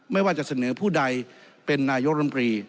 ไม่ว่าจะเสนอผู้ใดเป็นนายกรมรี